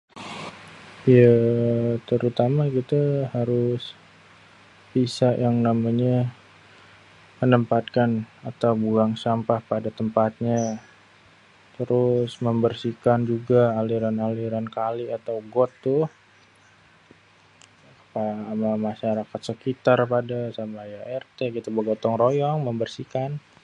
Ye terutama kite harus bisa yang namanye menempatkan atau buang sampah pada tempatnya. Terus membersihkan juga aliran-aliran kali atau got tuh ama masyarakat sekitar pada sama ya RT kite begotong royong, membersihkan.